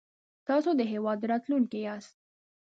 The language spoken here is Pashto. تاسو د هېواد راتلونکی ياست